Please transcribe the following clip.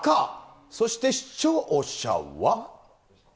そして視聴者は？